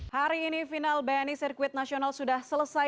hari ini final bni sirkuit nasional sudah selesai